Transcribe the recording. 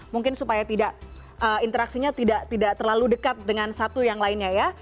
mungkin supaya tidak interaksinya tidak terlalu dekat dengan satu yang lainnya ya